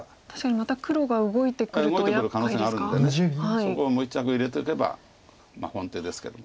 そこをもう１着入れておけば本手ですけども。